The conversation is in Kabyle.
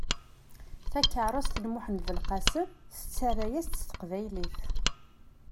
Takeṛṛust n Muḥend Belqasem tettarra-yas-d s teqbaylit.